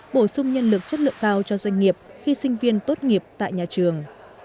bổ sung nhân lực chất lượng cao cho doanh nghiệp khi sinh viên tốt nghiệp tại nhà trường